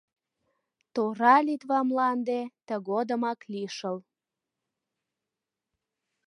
Тора Литва мланде, тыгодымак лишыл!